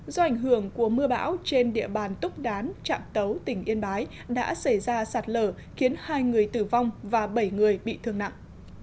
do ảnh hưởng của mưa bão trên địa bàn túc đán trạm tấu tỉnh yên bái đã xảy ra sạt lở khiến hai người tử vong và bảy người bị thương nặng